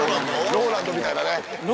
ＲＯＬＡＮＤみたいだね。